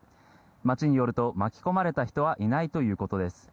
町によると巻き込まれた人はいないということです。